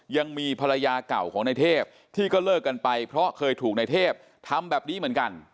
ยังมีภรรยาเก่าของในเทพที่ก็เลิกกันไปเพราะเคยถูกในเทพทำแบบนี้เหมือนกัน